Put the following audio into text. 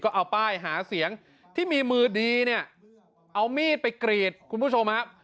ก็เอาป้ายหาเสียงที่มีมือดีเนี่ยเอามีดไปกรีดคุณผู้ชมฮะ